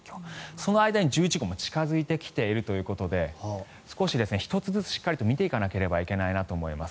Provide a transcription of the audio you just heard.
その間に１１号も近付いてきているということで少し、１つずつしっかり見ていかなければいけないなと思います。